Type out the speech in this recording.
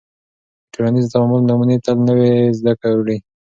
د ټولنیز تعامل نمونې تل نوې زده کړې